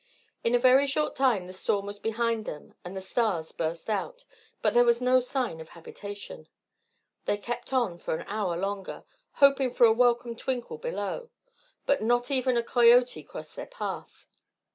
In a very short time the storm was behind them and the stars burst out, but there was no sign of habitation. They kept on for an hour longer, hoping for a welcome twinkle below; but not even a coyote crossed their path.